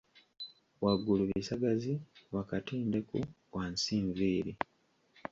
"Waggulu bisagazi, wakati ndeku, wansi nviiri?"